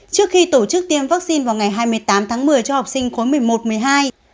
trước khi tổ chức tiêm vaccine vào ngày hai mươi tám tháng một mươi cho học sinh khối một mươi một một mươi hai